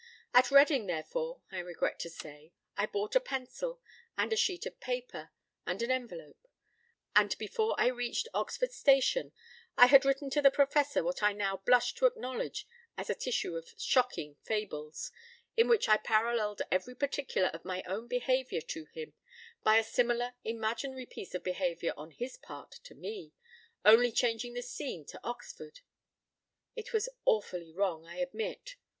At Reading, therefore, I regret to say, I bought a pencil, and a sheet of paper, and an envelope; and before I reached Oxford station, I had written to the Professor what I now blush to acknowledge as a tissue of shocking fables, in which I paralleled every particular of my own behaviour to him by a similar imaginary piece of behaviour on his part to me, only changing the scene to Oxford. It was awfully wrong, I admit.